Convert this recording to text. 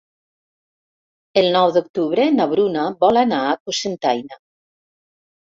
El nou d'octubre na Bruna vol anar a Cocentaina.